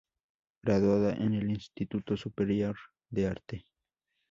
Graduada en el Instituto Superior de Arte.